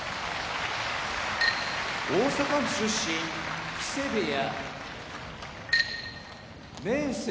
大阪府出身木瀬部屋明生